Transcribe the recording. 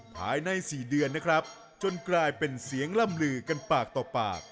ภายใน๔เดือนนะครับจนกลายเป็นเสียงล่ำลือกันปากต่อปาก